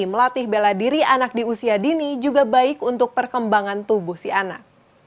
melatih bela diri anak di usia dini juga baik untuk perkembangan tubuh si anak